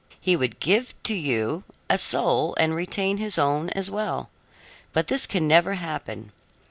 He would give to you a soul and retain his own as well; but this can never happen.